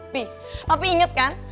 papi inget kan